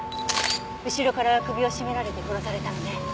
後ろから首を絞められて殺されたのね。